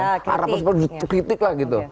harapan seperti kritik lah gitu